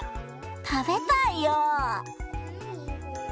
食べたいよ。